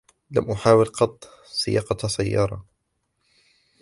لم أحاول قط سياقة سيارة.